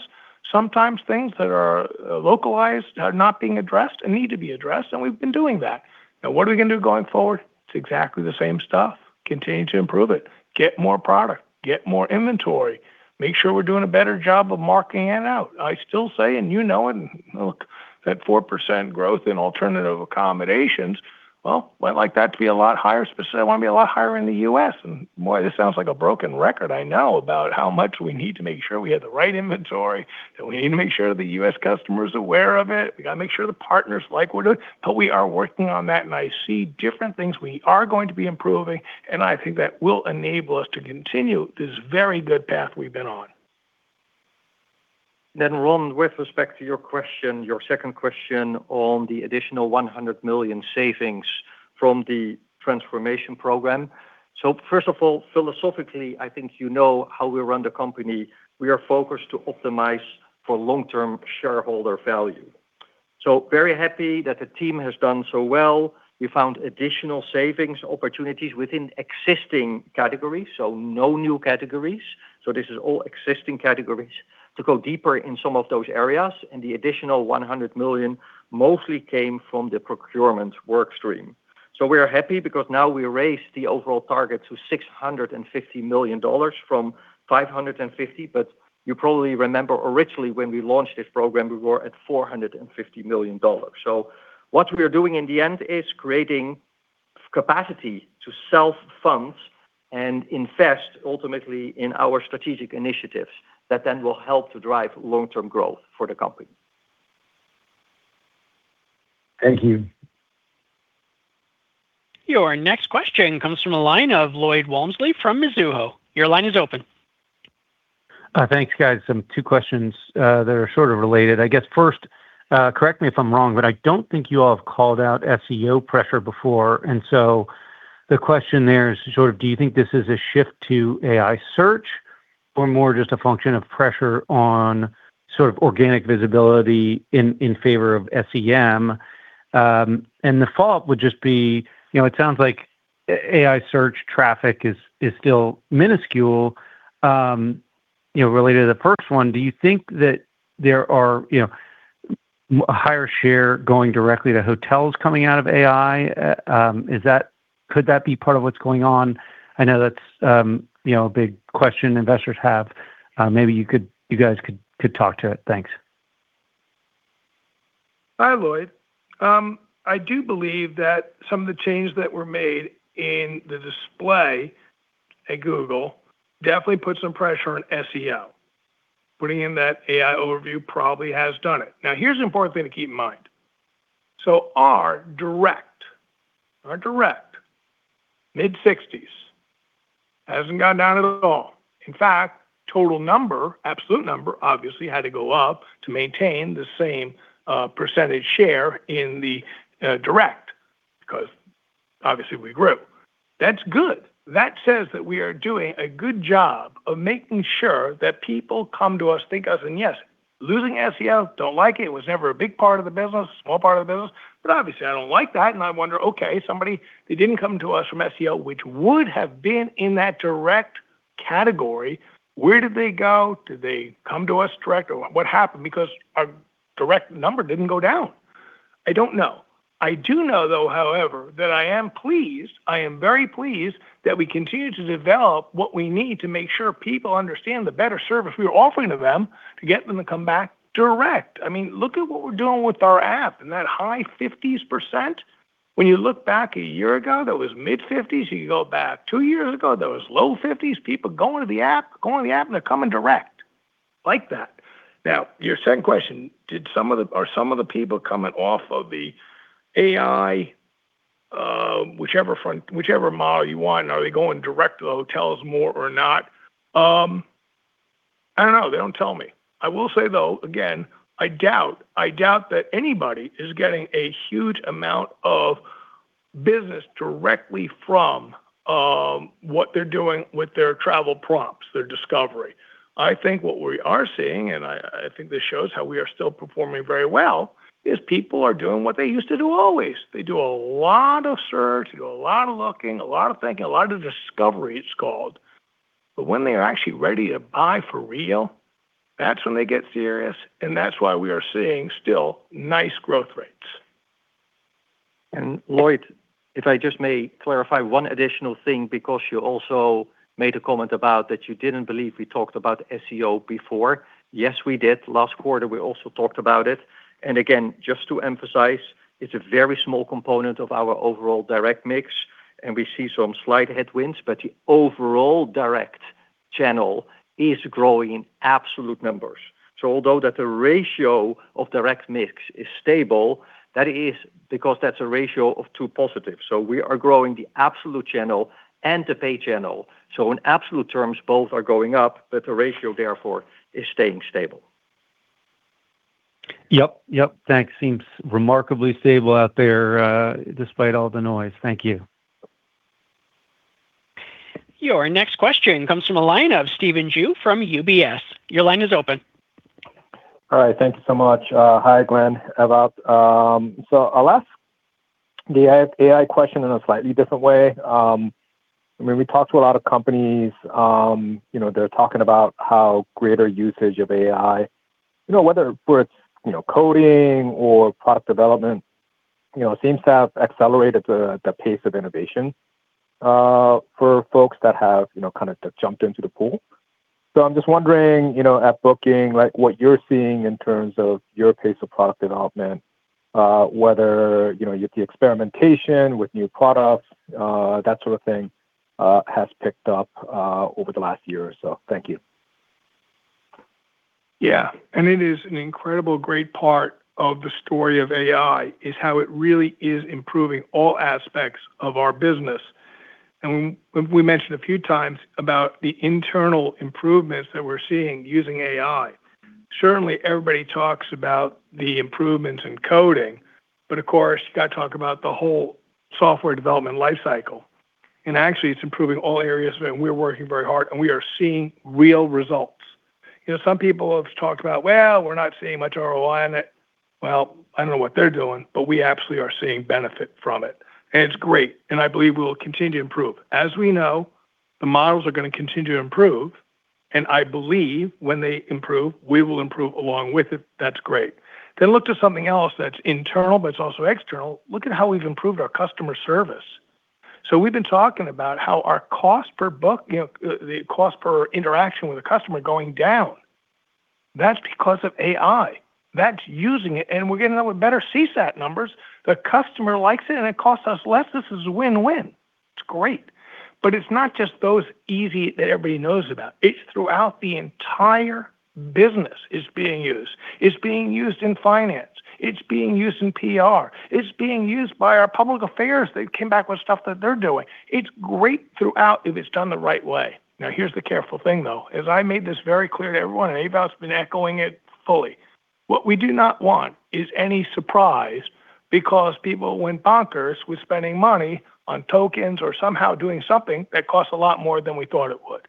sometimes things that are localized are not being addressed and need to be addressed, and we've been doing that. What are we going to do going forward? It's exactly the same stuff. Continue to improve it, get more product, get more inventory, make sure we're doing a better job of marking it out. I still say, you know it, look at 4% growth in alternative accommodations. I'd like that to be a lot higher, specifically I want to be a lot higher in the U.S. Boy, this sounds like a broken record, I know, about how much we need to make sure we have the right inventory, and we need to make sure the U.S. customer is aware of it. We got to make sure the partners like what we're doing. We are working on that, and I see different things we are going to be improving, and I think that will enable us to continue this very good path we've been on. Ron, with respect to your second question on the additional $100 million savings from the transformation program. First of all, philosophically, I think you know how we run the company. We are focused to optimize for long-term shareholder value. Very happy that the team has done so well. We found additional savings opportunities within existing categories, no new categories. This is all existing categories to go deeper in some of those areas, and the additional $100 million mostly came from the procurement work stream. We are happy because now we raised the overall target to $650 million from $550 million, but you probably remember originally when we launched this program, we were at $450 million. What we are doing in the end is creating capacity to self-fund and invest ultimately in our strategic initiatives that then will help to drive long-term growth for the company. Thank you. Your next question comes from the line of Lloyd Walmsley from Mizuho. Your line is open. Thanks, guys. Two questions that are sort of related. I guess first, correct me if I'm wrong, but I don't think you all have called out SEO pressure before. So the question there is sort of do you think this is a shift to AI search or more just a function of pressure on sort of organic visibility in favor of SEM? The follow-up would just be, it sounds like AI search traffic is still minuscule. Related to the first one, do you think that there are a higher share going directly to hotels coming out of AI? Could that be part of what's going on? I know that's a big question investors have. Maybe you guys could talk to it. Thanks. Hi, Lloyd. I do believe that some of the changes that were made in the display at Google definitely put some pressure on SEO Putting in that AI overview probably has done it. Here's the important thing to keep in mind. Our direct, mid-60s%. Hasn't gone down at all. In fact, total number, absolute number, obviously, had to go up to maintain the same percentage share in the direct, because obviously we grew. That's good. That says that we are doing a good job of making sure that people come to us, think of us, and yes, losing SEO, don't like it. It was never a big part of the business, small part of the business, but obviously I don't like that and I wonder, somebody, they didn't come to us from SEO, which would have been in that direct category. Where did they go? Did they come to us direct, or what happened? Our direct number didn't go down. I don't know. I do know, however, that I am pleased, I am very pleased that we continue to develop what we need to make sure people understand the better service we are offering to them to get them to come back direct. Look at what we're doing with our app and that high 50s%. When you look back a year ago, that was mid-50s%. You go back two years ago, that was low 50s%. People going to the app, and they're coming direct. Like that. Your second question, are some of the people coming off of the AI, whichever model you want, are they going direct to the hotels more or not? I don't know. They don't tell me. I will say, though, again, I doubt that anybody is getting a huge amount of business directly from what they're doing with their travel prompts, their discovery. I think what we are seeing, and I think this shows how we are still performing very well, is people are doing what they used to do always. They do a lot of search, they do a lot of looking, a lot of thinking, a lot of discovery, it's called. When they are actually ready to buy for real, that's when they get serious, and that's why we are seeing still nice growth rates. Lloyd, if I just may clarify one additional thing, because you also made a comment about that you didn't believe we talked about SEO before. Yes, we did. Last quarter, we also talked about it. Again, just to emphasize, it's a very small component of our overall direct mix, and we see some slight headwinds, but the overall direct channel is growing in absolute numbers. Although that the ratio of direct mix is stable, that is because that's a ratio of two positives. We are growing the absolute channel and the paid channel. In absolute terms, both are going up, but the ratio therefore is staying stable. Yep. Thanks. Seems remarkably stable out there, despite all the noise. Thank you. Your next question comes from the line of Stephen Ju from UBS. Your line is open. All right. Thank you so much. Hi, Glenn, Ewout. I'll ask the AI question in a slightly different way. We talk to a lot of companies. They're talking about how greater usage of AI, whether it's coding or product development, seems to have accelerated the pace of innovation, for folks that have jumped into the pool. I'm just wondering, at Booking, what you're seeing in terms of your pace of product development, whether the experimentation with new products, that sort of thing, has picked up, over the last year or so. Thank you. Yeah. It is an incredible great part of the story of AI, is how it really is improving all aspects of our business. We mentioned a few times about the internal improvements that we're seeing using AI. Certainly, everybody talks about the improvements in coding, but of course, you got to talk about the whole software development life cycle. Actually, it's improving all areas of it, and we're working very hard, and we are seeing real results. Some people have talked about, "Well, we're not seeing much ROI on it." Well, I don't know what they're doing, but we absolutely are seeing benefit from it. It's great, and I believe we will continue to improve. As we know, the models are going to continue to improve, and I believe when they improve, we will improve along with it. That's great. Look to something else that's internal, but it's also external. Look at how we've improved our customer service. We've been talking about how our cost per interaction with a customer are going down. That's because of AI. That's using it, and we're getting better CSAT numbers. The customer likes it, and it costs us less. This is a win-win. It's great. It's not just those easy that everybody knows about. It's throughout the entire business it's being used. It's being used in finance. It's being used in PR. It's being used by our public affairs. They came back with stuff that they're doing. It's great throughout if it's done the right way. Here's the careful thing, though. As I made this very clear to everyone, and Ewout's been echoing it fully. What we do not want is any surprise because people went bonkers with spending money on tokens or somehow doing something that costs a lot more than we thought it would.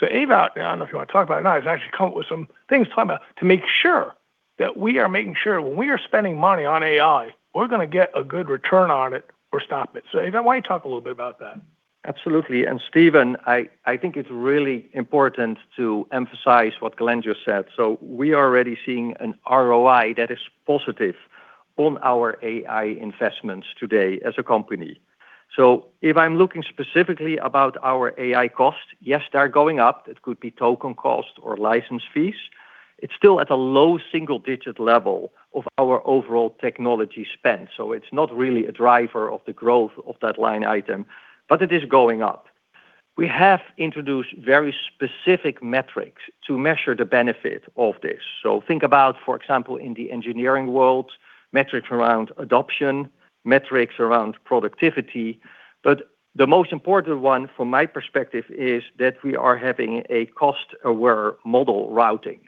Ewout, I don't know if you want to talk about it or not, has actually come up with some things to talk about to make sure that we are making sure when we are spending money on AI, we're going to get a good return on it or stop it. Ewout, why don't you talk a little bit about that? Absolutely. Stephen, I think it's really important to emphasize what Glenn just said. We are already seeing an ROI that is positive on our AI investments today as a company. If I'm looking specifically about our AI costs, yes, they're going up. It could be token cost or license fees. It's still at a low single-digit level of our overall technology spend. It's not really a driver of the growth of that line item, but it is going up. We have introduced very specific metrics to measure the benefit of this. Think about, for example, in the engineering world, metrics around adoption, metrics around productivity. The most important one from my perspective is that we are having a cost-aware model routing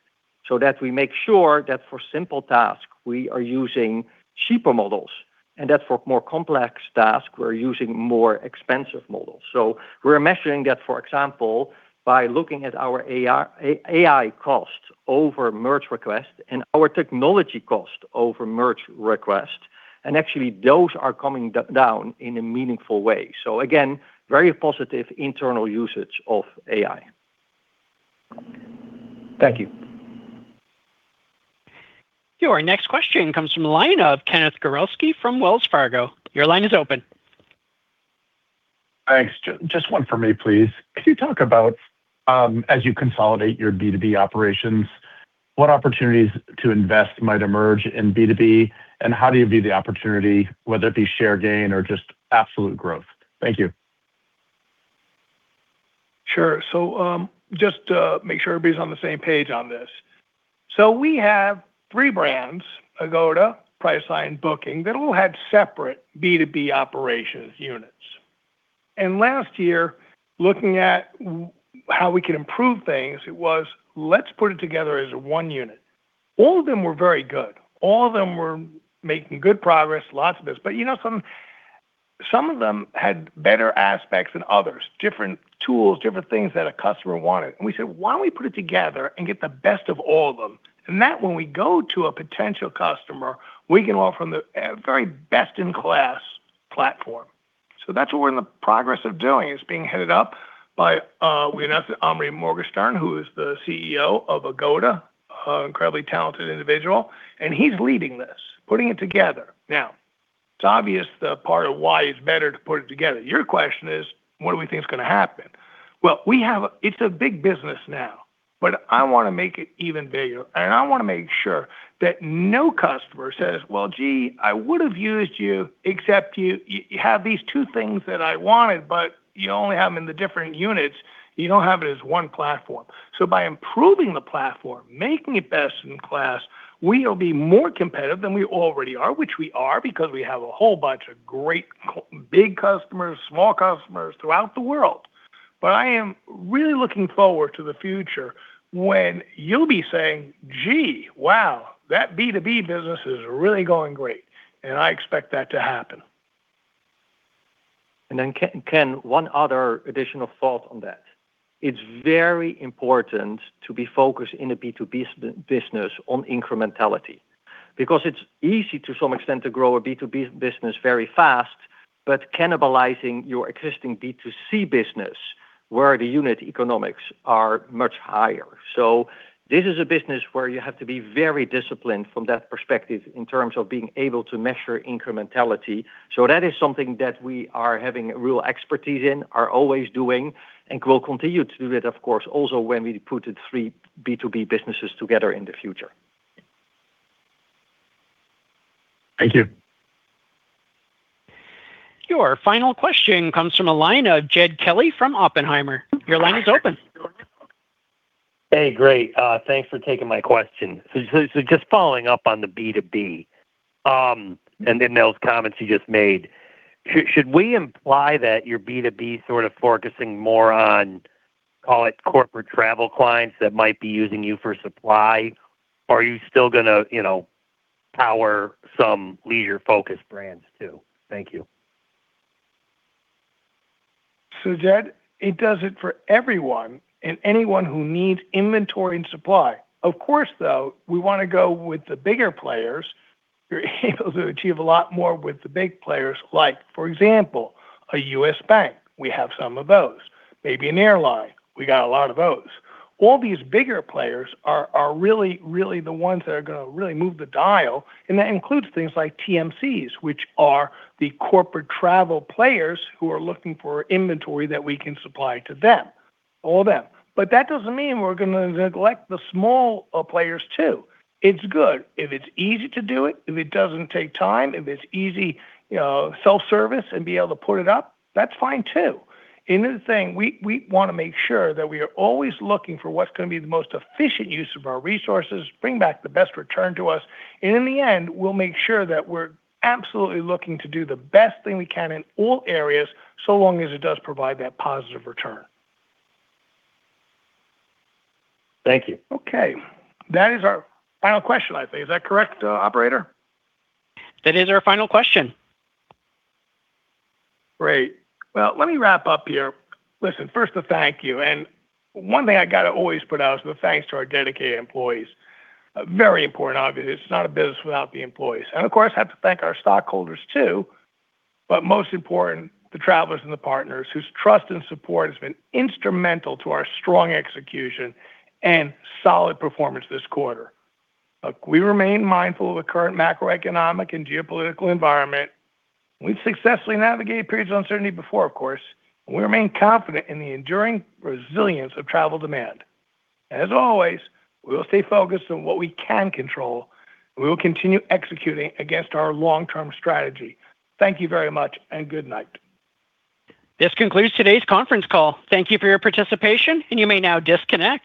so that we make sure that for simple tasks, we are using cheaper models, and that for more complex tasks, we're using more expensive models. We're measuring that, for example, by looking at our AI costs over merge requests and our technology cost over merge requests. Actually, those are coming down in a meaningful way. Again, very positive internal usage of AI. Thank you. Your next question comes from the line of Ken Gawrelski from Wells Fargo. Your line is open. Thanks. Just one from me, please. Could you talk about, as you consolidate your B2B operations, what opportunities to invest might emerge in B2B, and how do you view the opportunity, whether it be share gain or just absolute growth? Thank you. Just to make sure everybody's on the same page on this. We have three brands, Agoda, Priceline, Booking, that all had separate B2B operations units. Last year, looking at how we could improve things, it was, "Let's put it together as one unit." All of them were very good. All of them were making good progress, lots of business. Some of them had better aspects than others, different tools, different things that a customer wanted. We said, "Why don't we put it together and get the best of all of them?" That when we go to a potential customer, we can offer them the very best-in-class platform. That's what we're in the progress of doing. It's being headed up by Omri Morgenshtern, who is the CEO of Agoda, incredibly talented individual, and he's leading this, putting it together. It's obvious the part of why it's better to put it together. Your question is, what do we think is going to happen? Well, it's a big business now, but I want to make it even bigger, and I want to make sure that no customer says, "Well, gee, I would have used you, except you have these two things that I wanted, but you only have them in the different units. You don't have it as one platform." By improving the platform, making it best in class, we will be more competitive than we already are, which we are because we have a whole bunch of great big customers, small customers throughout the world. I am really looking forward to the future when you'll be saying, "Gee, wow, that B2B business is really going great." I expect that to happen. Then, Ken, one other additional thought on that. It's very important to be focused in a B2B business on incrementality because it's easy to some extent to grow a B2B business very fast, but cannibalizing your existing B2C business, where the unit economics are much higher. This is a business where you have to be very disciplined from that perspective in terms of being able to measure incrementality. That is something that we are having real expertise in, are always doing, and will continue to do that, of course, also when we put three B2B businesses together in the future. Thank you. Your final question comes from a line of Jed Kelly from Oppenheimer. Your line is open. Hey, great. Thanks for taking my question. Just following up on the B2B, and then those comments you just made. Should we imply that your B2B sort of focusing more on, call it corporate travel clients that might be using you for supply? Are you still going to power some leader-focused brands, too? Thank you. Jed, it does it for everyone and anyone who needs inventory and supply. Of course, though, we want to go with the bigger players. You're able to achieve a lot more with the big players, like, for example, a U.S. bank. We have some of those. Maybe an airline. We got a lot of those. All these bigger players are really the ones that are going to really move the dial, and that includes things like TMCs, which are the corporate travel players who are looking for inventory that we can supply to them. All of them. That doesn't mean we're going to neglect the small players, too. It's good. If it's easy to do it, if it doesn't take time, if it's easy self-service and be able to put it up, that's fine, too. We want to make sure that we are always looking for what's going to be the most efficient use of our resources, bring back the best return to us. In the end, we'll make sure that we're absolutely looking to do the best thing we can in all areas, so long as it does provide that positive return. Thank you. Okay. That is our final question, I think. Is that correct, operator? That is our final question. Great. Well, let me wrap up here. Listen, first a thank you. One thing I got to always put out is the thanks to our dedicated employees. Very important, obviously. It's not a business without the employees. Of course, I have to thank our stockholders, too. Most important, the travelers and the partners whose trust and support has been instrumental to our strong execution and solid performance this quarter. Look, we remain mindful of the current macroeconomic and geopolitical environment. We've successfully navigated periods of uncertainty before, of course, and we remain confident in the enduring resilience of travel demand. As always, we will stay focused on what we can control, and we will continue executing against our long-term strategy. Thank you very much, and good night. This concludes today's conference call. Thank you for your participation, and you may now disconnect.